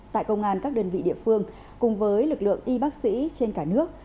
tại công an các đơn vị địa phương cùng với lực lượng y bác sĩ trên cả nước